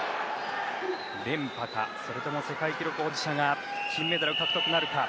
連覇かそれとも世界記録保持者が金メダル獲得なるか。